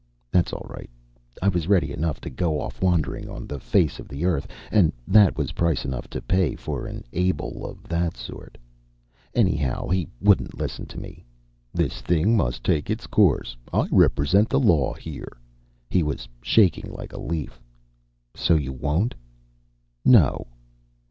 That's all right. I was ready enough to go off wandering on the face of the earth and that was price enough to pay for an Abel of that sort. Anyhow, he wouldn't listen to me. 'This thing must take its course. I represent the law here.' He was shaking like a leaf. 'So you won't?' 'No!